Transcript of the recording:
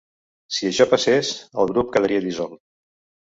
Si això passés, el grup quedaria dissolt.